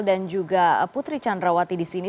dan juga putri chandrawati di sini